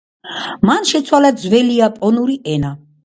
მან შეცვალა ძველიაპონური ენა.